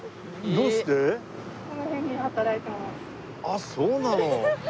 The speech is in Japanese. あっそうなの。